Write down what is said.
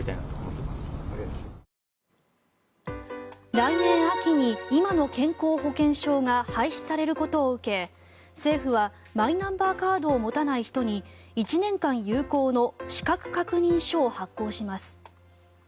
来年秋に今の健康保険証が廃止されることを受け、政府はマイナンバーカードを持たない人に１年間有効の資格確認書を発行します。